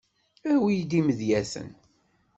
Awi-d imedyaten.